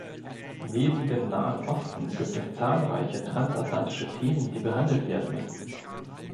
Neben dem Nahen Osten gibt es zahlreiche transatlantische Themen, die behandelt werden müssen.